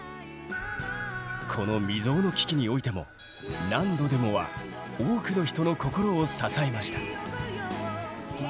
この未曽有の危機においても「何度でも」は多くの人の心を支えました。